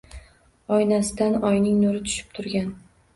Oynasidan oyning nuri tushib turgan